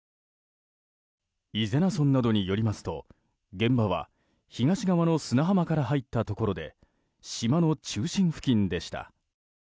伊是名村などによりますと現場は東側の砂浜から入ったところで島の中心付近でした。